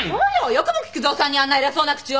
よくも菊蔵さんにあんな偉そうな口を。